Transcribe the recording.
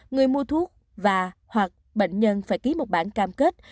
người mua thuốc và hoặc bệnh nhân phải ký một bản cam kết